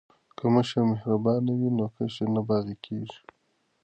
که مشر مهربان وي نو کشر نه باغی کیږي.